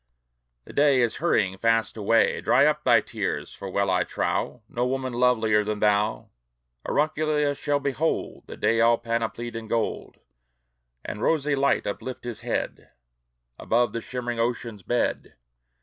The day is hurrying fast away!" Dry up thy tears! For well I trow, No woman lovelier than thou, Aurunculeia, shall behold The day all panoplied in gold, And rosy light uplift his head Above the shimmering ocean's bed!